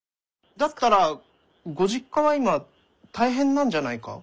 だったらご実家は今大変なんじゃないか？